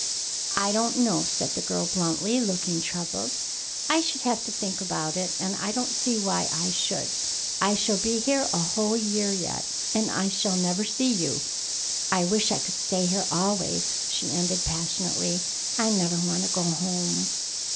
"I don't know," said the girl bluntly, looking troubled. "I should have to think about it, and I don't see why I should. I shall be here a whole year yet, and I shall never see you. I wish I could stay here always," she ended passionately. "I never want to go home."